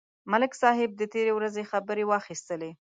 ملک صاحب د تېرې ورځې خبرې واخیستلې.